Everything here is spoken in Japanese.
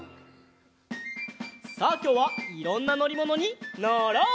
さあきょうはいろんなのりものにのろう！